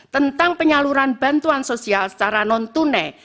tentang penyaluran bantuan sosial secara non tunai